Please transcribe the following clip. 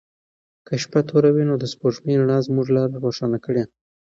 که شپه توره وي نو د سپوږمۍ رڼا به زموږ لاره روښانه کړي.